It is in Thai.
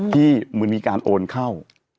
ที่มันมีการโอนเข้า